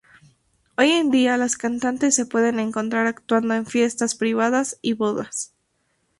Hoy en día, las cantantes se pueden encontrar actuando en fiestas privadas y bodas.